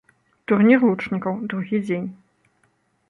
Турнір лучнікаў, другі дзень.